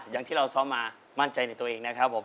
อย่างที่เราซ้อมมามั่นใจในตัวเองนะครับผม